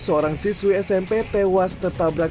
seorang siswi smp tewas tertabrak